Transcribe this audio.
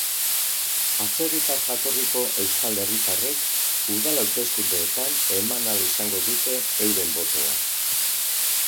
Atzerritar jatorriko euskal herritarrek udal hauteskundeetan eman ahal izango dute euren botoa.